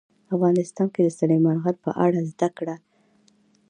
افغانستان کې د سلیمان غر په اړه زده کړه.